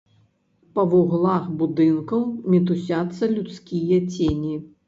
Па вуглах будынкаў мітусяцца людскія цені.